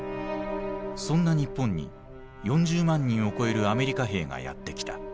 そんな日本に４０万人を超えるアメリカ兵がやって来た。